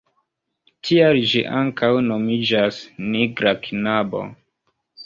Tial ĝi ankaŭ nomiĝas „nigra knabo“.